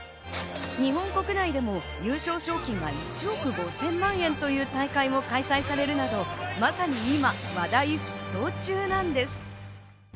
日本国内でも優勝賞金は１億５０００万円という大会も開催されるなど、まさに今、話題沸騰中なんです。